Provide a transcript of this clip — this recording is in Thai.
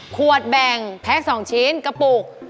ขวดแบ่งแพ็ค๒ชิ้นกระปุก